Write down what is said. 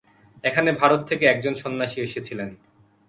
এখানে ভারত থেকে একজন সন্ন্যাসী এসেছিলেন।